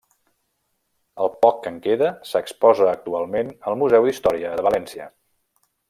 El poc que en queda s'exposa actualment al Museu d'Història de València.